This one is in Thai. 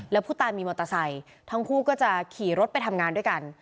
แล้วผู้ตายมีมอเตอร์ไซค์ทั้งคู่ก็จะขี่รถไปทำงานด้วยกัน